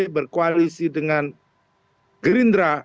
berkoalisi dengan gerindra